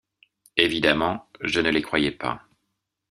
Évidemment, je ne les croyais pas.